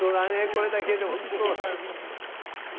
これだけでおいしそうだもん。